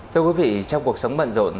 thưa quý vị trong cuộc sống bận rộn